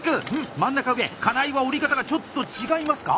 真ん中の上金井は折り方がちょっと違いますか？